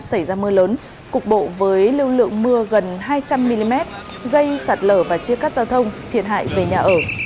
xảy ra mưa lớn cục bộ với lưu lượng mưa gần hai trăm linh mm gây sạt lở và chia cắt giao thông thiệt hại về nhà ở